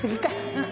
うん。